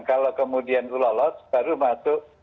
kalau kemudian lolos baru masuk